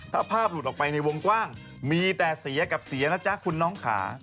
ถ้าภาพหลุดออกไปในวงกว้างมีแต่เสียกับเสียนะจ๊ะคุณน้องขา